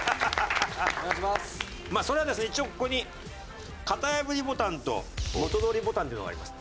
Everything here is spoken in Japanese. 一応ここに型破りボタンと元通りボタンっていうのがあります。